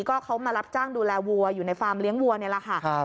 ก็เขามารับจ้างดูแลวัวอยู่ในฟาร์มเลี้ยงวัวนี่แหละค่ะ